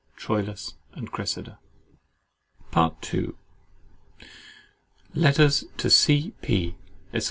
TROILUS AND CRESSIDA. PART II LETTERS TO C. P——, ESQ.